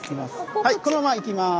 はいこのまま行きます。